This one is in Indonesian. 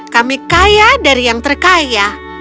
kami kaya dari yang terkaya